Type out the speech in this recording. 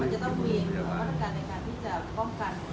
ไม่เกี่ยวกับโรงพยาบาล